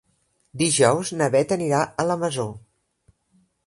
Dijous na Beth anirà a la Masó.